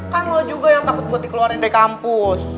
kan lo juga yang takut buat dikeluarin dari kampus